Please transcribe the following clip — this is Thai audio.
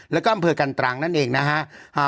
แล้วก็อำเภอกันตรังนั่นเองนะฮะ